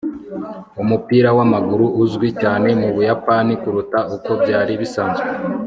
umupira w'amaguru uzwi cyane mu buyapani kuruta uko byari bisanzwe